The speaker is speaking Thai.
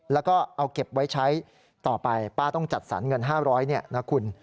แล้วก็เอาเก็บไว้ใช้ต่อไปป้าต้องจัดสรรเงิน๕๐๐เนี่ยนะคุณ